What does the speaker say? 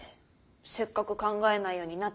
「せっかく考えないようになってきたのに」